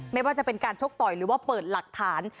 ไม่ว่าจะเป็นการชกต่อยหรือว่าเปิดหลักฐาน